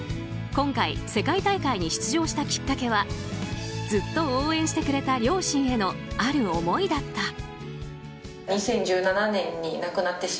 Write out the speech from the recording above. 今回、世界大会に出場したきっかけはずっと応援してくれた両親へのある思いだった。